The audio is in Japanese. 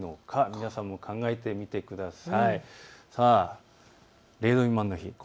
皆さんも考えてみてください。